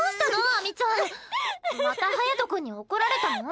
秋水ちゃん。また隼君に怒られたの？